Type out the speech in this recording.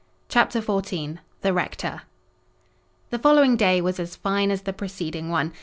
CHAPTER XIV. THE RECTOR The following day was as fine as the preceding one.